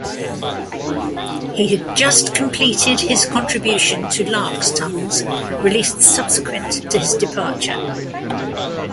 He had just completed his contribution to "Larks' Tongues", released subsequent to his departure.